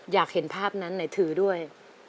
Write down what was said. อยากเห็นภาพนั้นไหนถือด้วย